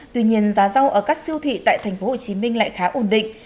tuy nhiên giá rau ở các siêu thị tại tp hcm lại khá ổn định